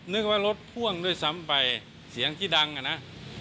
นึกว่ารถพ่วงด้วยซ้ำไปเสียงที่ดังอ่ะนะ